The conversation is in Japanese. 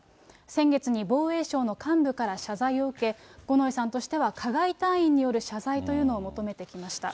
先月に防衛省の幹部から謝罪を受け、五ノ井さんとしては、加害隊員による謝罪というのを求めてきました。